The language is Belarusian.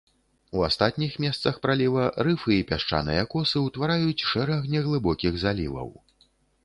У астатніх месцах праліва рыфы і пясчаныя косы ўтвараюць шэраг неглыбокіх заліваў.